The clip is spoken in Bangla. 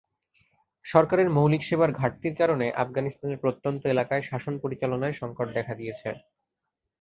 সরকারের মৌলিক সেবার ঘাটতির কারণে আফগানিস্তানের প্রত্যন্ত এলাকায় শাসন পরিচালনায় সংকট দেখা দিয়েছে।